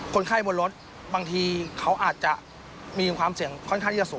คนไข้บนรถบางทีเขาอาจจะมีความเสี่ยงค่อนข้างที่จะสูง